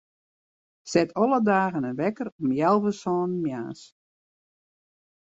Set alle dagen in wekker om healwei sânen moarns.